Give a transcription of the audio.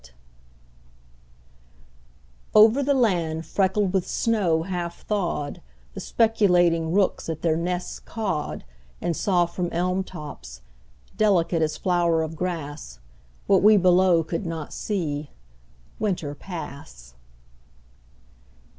THAW OVER the land freckled with snow half thawed The speculating rooks at their nests cawed And saw from elm tops, delicate as flower of grass, What we below could not see, Winter pass.